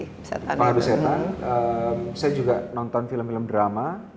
pengadu setan saya juga nonton film film drama